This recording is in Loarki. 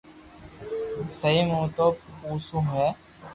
سي مون تو پريسون ھي